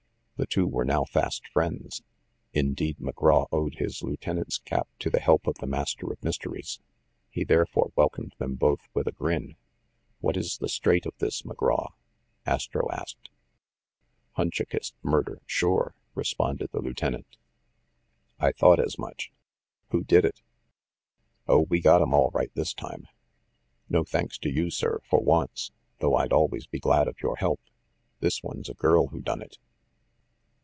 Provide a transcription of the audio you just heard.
The two were now fast friends. Indeed, McGraw owed his lieutenant's cap to the help of the Master of Mysteries. He therefore welcomed them both with a grin. "What is the straight of this, McGraw?" Astro asked. "Hunchakist murder, sure!" responded the lieu tenant. "I thought as much. Who did it?" "Oh, we got 'em all right this time. No thanks to you, sir, for once, though I'd always be glad of your help. This one's a girl who done it."